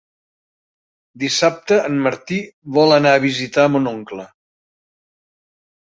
Dissabte en Martí vol anar a visitar mon oncle.